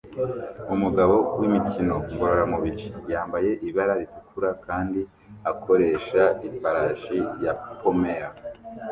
Umugabo wimikino ngororamubiri yambaye ibara ritukura kandi akoresha ifarashi ya pommel